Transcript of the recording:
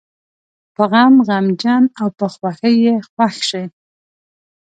په غم غمجن او په خوښۍ یې خوښ شي.